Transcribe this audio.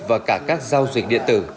và cả các giao dịch điện tử